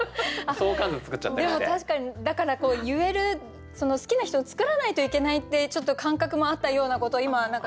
でも確かにだから言えるその好きな人を作らないといけないってちょっと感覚もあったようなこと今思い出しました。